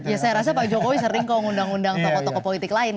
ya saya rasa pak jokowi sering ke undang undang toko toko politik lain